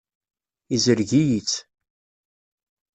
Izreg-iyi-tt.